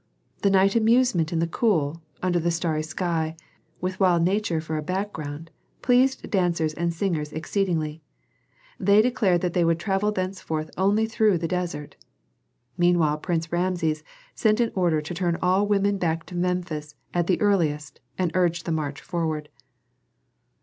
The night amusement in the cool, under the starry sky, with wild nature for a background, pleased dancers and singers exceedingly; they declared that they would travel thenceforth only through the desert. Meanwhile Prince Rameses sent an order to turn all women back to Memphis at the earliest and urge the march forward.